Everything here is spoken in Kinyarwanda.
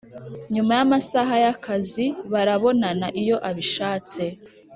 nyuma y amasaha y akazi barabonana iyo abishatse